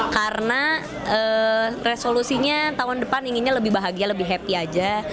karena resolusinya tahun depan inginnya lebih bahagia lebih happy aja